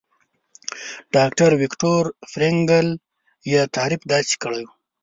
ډاکټر ويکټور فرېنکل يې تعريف داسې کړی وو.